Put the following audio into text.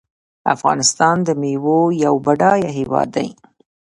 افغانستان د میوو یو بډایه هیواد دی.